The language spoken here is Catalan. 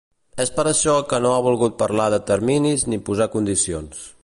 És per això que no ha volgut parlar de terminis ni posar condicions.